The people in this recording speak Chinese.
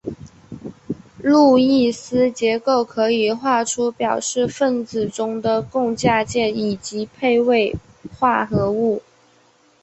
路易斯结构可以画出表示分子中的共价键以及配位化合物。